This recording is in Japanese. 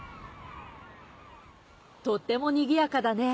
とっても賑やかだね。